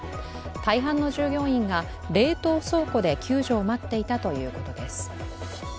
大半の従業員が冷凍倉庫で救助を待っていたということです。